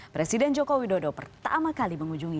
presiden joko widodo pertama kali mengunjungi